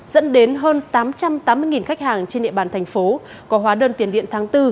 dẫn đến hơn tám trăm tám mươi khách hàng trên địa bàn thành phố có hóa đơn tiền điện tháng bốn